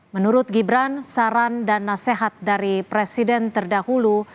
menurut gibran saran dan nasihat dari presiden terdahulu